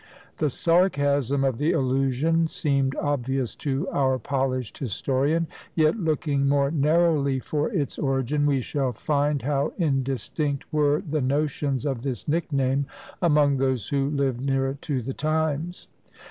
The sarcasm of the allusion seemed obvious to our polished historian; yet, looking more narrowly for its origin, we shall find how indistinct were the notions of this nickname among those who lived nearer to the times.